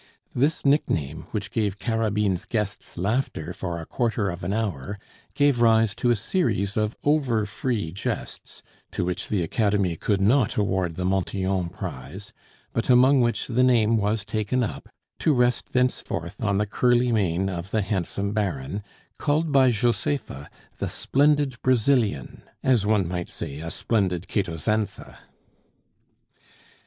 This nickname, which gave Carabine's guests laughter for a quarter of an hour, gave rise to a series of over free jests, to which the Academy could not award the Montyon prize; but among which the name was taken up, to rest thenceforth on the curly mane of the handsome Baron, called by Josepha the splendid Brazilian as one might say a splendid Catoxantha.